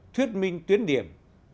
hai thuyết minh tuyến điểm